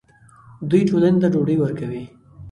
دوی ټولنې ته ډوډۍ ورکوي.